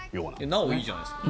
なおいいじゃないですか。